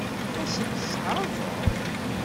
Ad sent-tt-tɛeṛḍeḍ?